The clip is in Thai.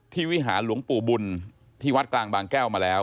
วิหารหลวงปู่บุญที่วัดกลางบางแก้วมาแล้ว